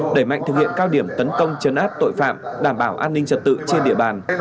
đẩy mạnh thực hiện cao điểm tấn công chấn áp tội phạm đảm bảo an ninh trật tự trên địa bàn